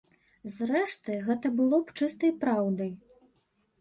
Зрэшты, гэта было б чыстай праўдай.